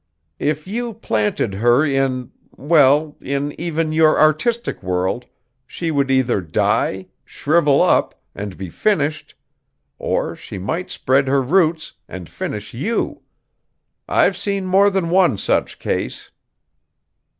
If you planted her in, well, in even your artistic world, she would either die, shrivel up, and be finished, or she might spread her roots, and finish you! I've seen more than one such case."